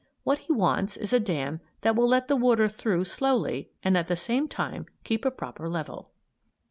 What he wants is a dam that will let the water through slowly and at the same time keep a proper level.